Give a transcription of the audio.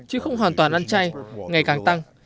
chứ không hoàn toàn ăn chay ngày càng tăng